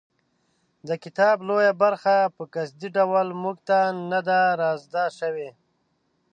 د کتاب لویه برخه په قصدي ډول موږ ته نه ده رازده شوې.